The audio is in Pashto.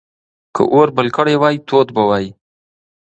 که اور بل کړی وای، تود به وای.